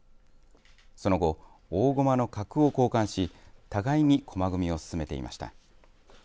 その後、大駒の角を交換し互いに駒組を進めていました。